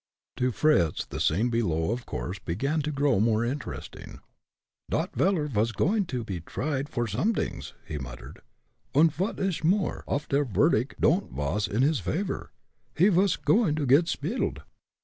To Fritz, the scene below of course began to grow more interesting. "Dot veller vas goin' to pe tried for somedings," he muttered, "und vot ish more, uff der verdict don't vas in his favor, he vas goin' der git sp'iled."